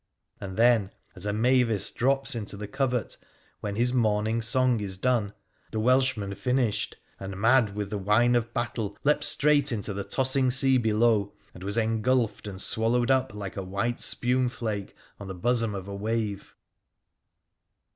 And then — as a mavis drops into the covert when his morning song is done — the Welshman finished, and, mad with the wine of battle, leapt straight into the tossing sea below, and was engulfed and swallowed up like a white spume flake on the bosom of a wave.